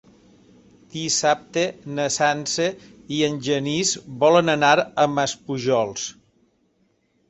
Dissabte na Sança i en Genís volen anar a Maspujols.